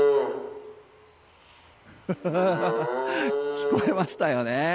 聞こえましたよね。